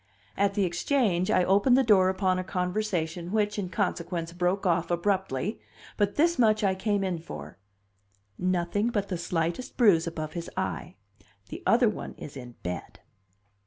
At the Exchange I opened the door upon a conversation which, in consequence, broke off abruptly; but this much I came in for: "Nothing but the slightest bruise above his eye. The other one is in bed."